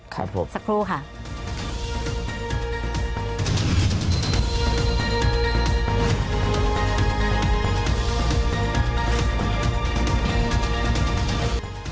ครับผมสักครู่ค่ะสักครู่ค่ะ